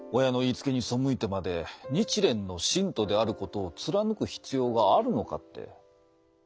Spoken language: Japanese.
親の言いつけに背いてまで日蓮の信徒であることを貫く必要があるのかって。